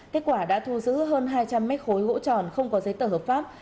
kết quả đã thu giữ hơn hai trăm linh mét khối gỗ tròn không có giấy tờ hợp pháp